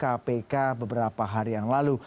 karena beberapa hari yang lalu